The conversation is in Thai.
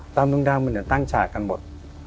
ตามดวงดาวมันจะตั้งชาติกันหมด